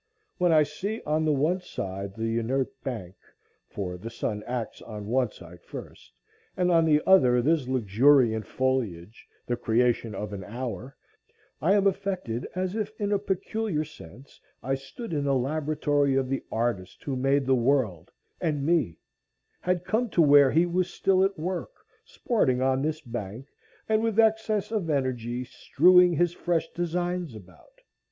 When I see on the one side the inert bank,—for the sun acts on one side first,—and on the other this luxuriant foliage, the creation of an hour, I am affected as if in a peculiar sense I stood in the laboratory of the Artist who made the world and me,—had come to where he was still at work, sporting on this bank, and with excess of energy strewing his fresh designs about.